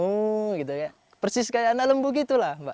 oh gitu ya persis kayak anak lembu gitu lah mbak